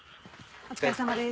お疲れさまです。